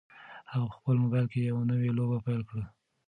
هغه په خپل موبایل کې یوه نوې لوبه پیل کړه.